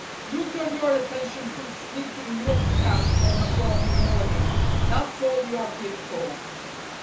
You turn your attention to sneakin' milk cans on a foggy mornin' that's all you're fit for